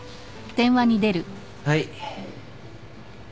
はい。